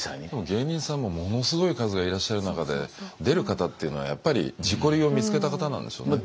芸人さんもものすごい数がいらっしゃる中で出る方っていうのはやっぱり自己流を見つけた方なんでしょうね。